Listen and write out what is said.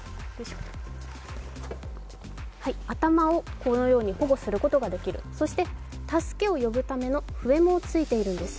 頭をこのように保護することができるそして助けを呼ぶための笛もついているんです。